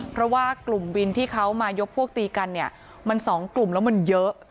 เพราะว่ากลุ่มวินที่เขามายกพวกตีกันเนี่ยมัน๒กลุ่มแล้วมันเยอะ